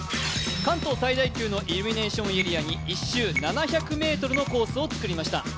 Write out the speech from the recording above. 関東最大級のイルミネーションエリアに１周７００ｍのコースを作りました。